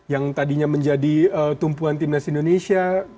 yang tadinya menjadi tumpuan timnas indonesia